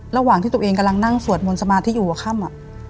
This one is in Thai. ระหว่างที่ตัวเองกำลังนั่งสวดมนต์สมาธิอยู่หัวค่ำ